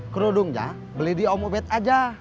kerudungnya beli di om ubet aja